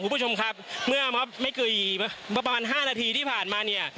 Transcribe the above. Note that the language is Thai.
คุณผู้ชมครับเมื่อไม่กี่ประมาณ๕นาทีที่ผ่านมาเนี่ย